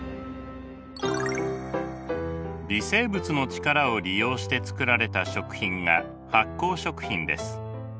微生物の力を利用して作られた食品が発酵食品です。